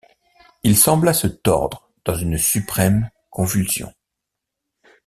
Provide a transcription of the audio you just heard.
Il sembla se tordre dans une suprême convulsion